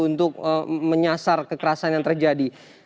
untuk menyasar kekerasan yang terjadi